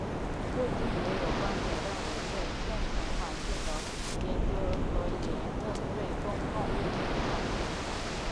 最近也有观点认为对建成环境的研究和言论对公共卫生产生影响。